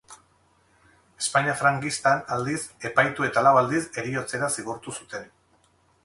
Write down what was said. Espainia frankistan, aldiz, epaitu eta lau aldiz heriotzera zigortu zuten.